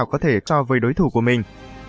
không có thể so với đối thủ của mình